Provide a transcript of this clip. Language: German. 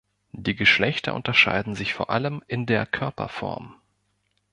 Die Geschlechter unterscheiden sich vor allem in der Körperform.